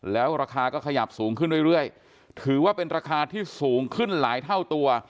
แล้วราคาก็ขยับสูงขึ้นเรื่อยถือว่าเป็นราคาที่สูงขึ้นหลายเท่าตัว